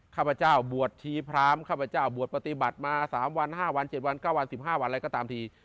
ข้าพเจ้าบวชชีพรามข้าพเจ้าบวชปฏิบัติมา๓วัน๕วัน๗วัน๙วัน๑๕วันอะไรก็ตามที